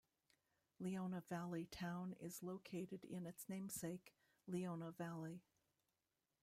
Leona Valley town is located in its namesake, Leona Valley.